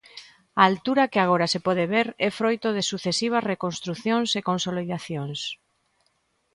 A altura que agora se pode ver é froito de sucesivas reconstrucións e consolidacións.